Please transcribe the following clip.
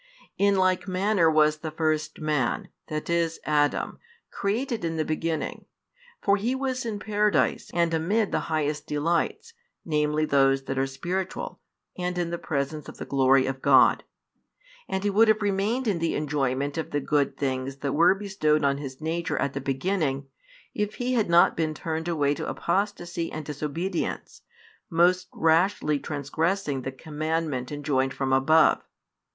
In like manner was the first man, that is, Adam, created in the beginning. For he was in Paradise, and amid the highest delights, namely those that are spiritual, and in the presence of the glory of God. And he would have remained in the enjoyment of the good things that were bestowed on his nature at the beginning, if he had not been turned away to apostasy and disobedience, most rashly transgressing the commandment enjoined from above.